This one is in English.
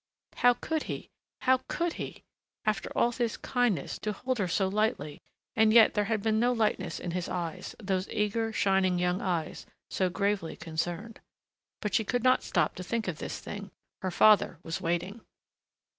How could he, how could he! After all his kindness to hold her so lightly.... And yet there had been no lightness in his eyes, those eager, shining young eyes, so gravely concerned.... But she could not stop to think of this thing. Her father was waiting.